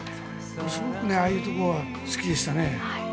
すごくああいうところは好きでしたね。